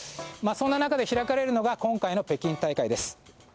そんな中で開かれるのが今回の北京大会です。